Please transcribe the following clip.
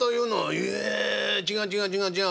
「いや違う違う違う違う。